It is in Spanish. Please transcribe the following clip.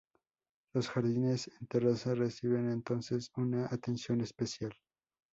Los jardines en terraza reciben entonces una atención especial.